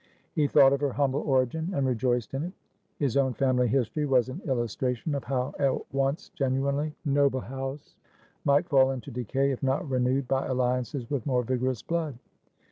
He thought of her humble origin, and rejoiced in it. His own family history was an illustration of how a once genuinely noble house might fall into decay if not renewed by alliances with more vigorous blood.